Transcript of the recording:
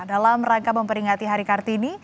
dalam rangka memperingati hari kartini